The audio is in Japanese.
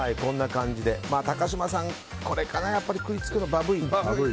高嶋さん、これかな食いつくの、バブい。